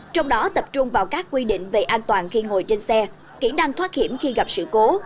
trong đó tập trung vào các quy định về an toàn khi ngồi trên xe kỹ năng thoát hiểm khi gặp sự cố